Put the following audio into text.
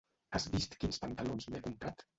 Has vist quins pantalons m'he comprat?